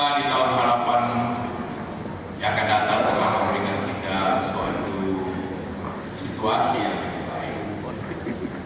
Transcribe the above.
hari tahun harapan yang akan datang akan memberikan kita suatu situasi yang lebih baik